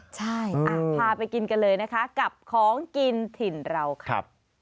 ใช่พาไปกินกันเลยนะคะกับของกินถิ่นเราครับ